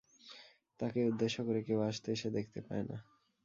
তাকে উদ্দেশ্য করে কেউ আসতে সে দেখতে পায় না।